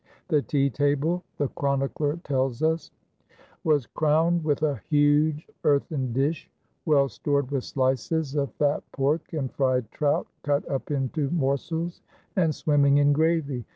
The tea table, the chronicler tells us, was crowned with a huge earthen dish, well stored with slices of fat pork and fried trout, cut up into morsels and swimming in gravy.